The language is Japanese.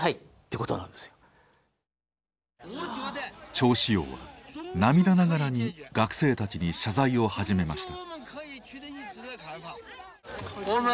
趙紫陽は涙ながらに学生たちに謝罪を始めました。